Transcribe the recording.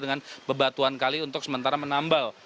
dengan bebatuan kali untuk sementara menambal